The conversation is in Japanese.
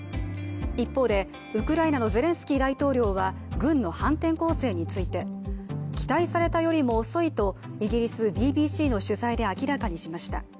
一方でウクライナのゼレンスキー大統領は軍の反転攻勢について、期待されたよりも遅いとイギリスＢＢＣの取材で明らかにしました。